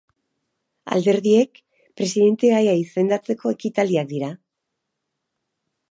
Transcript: Alderdiek presidentegaia izendatzeko ekitaldiak dira.